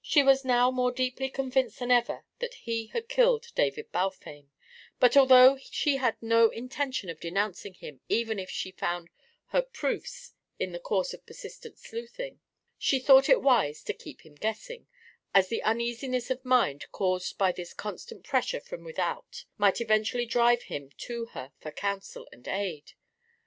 She was now more deeply convinced than ever that he had killed David Balfame, but although she had no intention of denouncing him even if she found her proofs in the course of persistent sleuthing, she thought it wise to "keep him guessing," as the uneasiness of mind caused by this constant pressure from without might eventually drive him to her for counsel and aid.